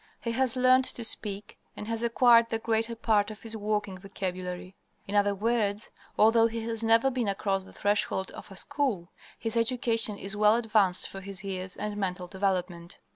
He has learned to speak and has acquired the greater part of his working vocabulary. In other words, although he has never been across the threshold of a school, his education is well advanced for his years and mental development.